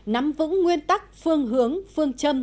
nắm vững nguyên tắc phương hướng phương châm